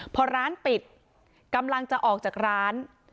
พอร้านปิดกำลังจะออกจากร้าน